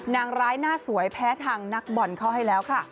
นางร้ายหน้าสวยแพ้ทางนักบอลเข้าให้แล้วค่ะ